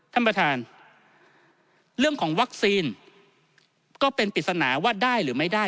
ท่านประธานเรื่องของวัคซีนก็เป็นปริศนาว่าได้หรือไม่ได้